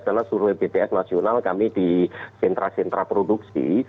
adalah survei bps nasional kami di sentra sentra produksi